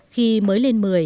khi mới lên một mươi